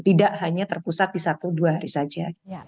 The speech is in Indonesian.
tidak hanya terpusat di satu dua hari saja